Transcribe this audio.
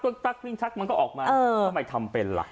ติ๊กมันก็ออกมาทำไมทำเป็นล่ะ